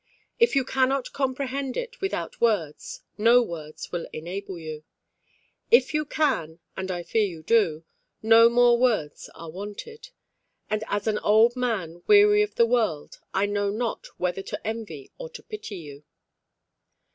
If you cannot comprehend it without words, no words will enable you. If you can, and I fear you do, no more words are wanted; and, as an old man weary of the world, I know not whether to envy or to pity you.